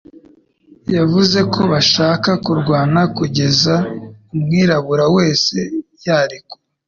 Yavuze ko bashaka kurwana kugeza igihe umwirabura wese yarekuwe